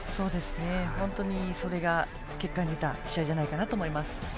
本当にそれが結果に出た試合じゃないかなと思います。